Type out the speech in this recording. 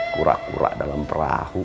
kura kura dalam perahu